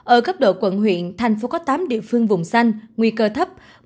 ở cấp độ quận huyện tp hcm có tám địa phương vùng xanh nguy cơ thấp